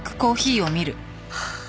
はあ。